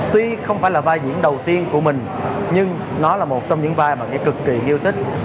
tuy không phải là vai diễn đầu tiên của mình nhưng nó là một trong những vai mà cái cực kỳ yêu thích